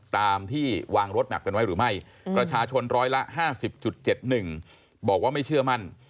ตามที่วางรถแมพกันไว้หรือไม่ประชาชนร้อยละ๕๐๗๑บอกว่าไม่เชื่อมั่น